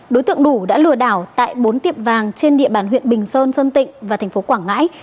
đối tượng đủ đã lừa đảo tại bốn tiệm vàng trên địa bàn huyện bình sơn sơn tịnh và thành phố quảng ngãi